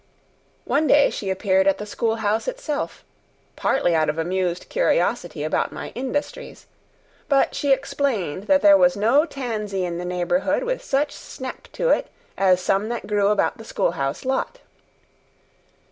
One day she appeared at the schoolhouse itself, partly out of amused curiosity about my industries; but she explained that there was no tansy in the neighborhood with such snap to it as some that grew about the schoolhouse lot.